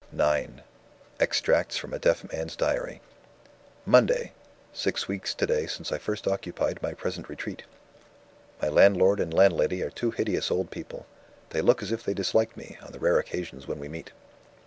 IX EXTRACTS FROM A DEAF MAN'S DIARY "Monday. Six weeks today since I first occupied my present retreat. "My landlord and landlady are two hideous old people. They look as if they disliked me, on the rare occasions when we meet.